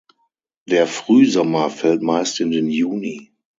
Der Frühsommer fällt meist in den Juni.